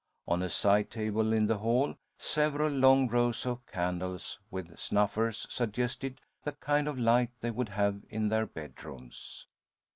On a side table in the hall, several long rows of candles, with snuffers, suggested the kind of light they would have in their bedrooms.